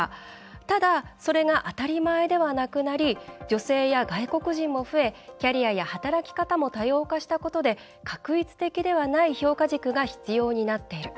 ただ、それが当たり前ではなくなり女性や外国人も増えキャリアや働き方も多様化したことで画一的ではない評価軸が必要になっている。